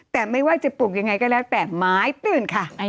แต่ไม่ว่าจะปลูกยังไงก็แล้วแต่ไม้ตื่นค่ะ